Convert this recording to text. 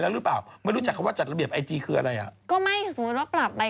รถแม่ก็ชอบใส่ชุดไทยอีกที